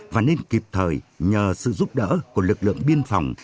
và nên kịp thời nhờ sự giúp đỡ của lực lượng biên phòng